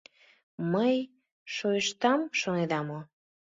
— Мый шойыштам шонеда мо?